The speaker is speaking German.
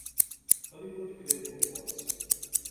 Hollywood Film Awards